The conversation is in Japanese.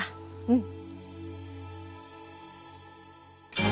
うん。